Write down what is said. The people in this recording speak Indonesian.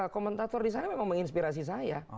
komentator di sana memang menginspirasi saya